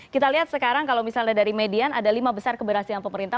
kita lihat sekarang kalau misalnya dari median ada lima besar keberhasilan pemerintah